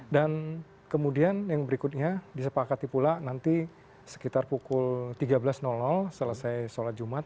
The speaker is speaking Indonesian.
dan kemudian yang berikutnya disepakati pula nanti sekitar pukul tiga belas selesai sholat jumat